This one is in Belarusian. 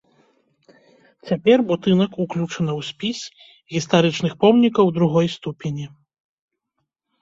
Цяпер будынак ўключана ў спіс гістарычных помнікаў другой ступені.